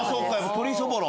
鶏そぼろ！